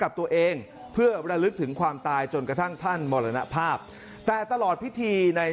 กับตัวเองเพื่อระลึกถึงความตายจนกระทั่งท่านมรณภาพแต่ตลอดพิธีใน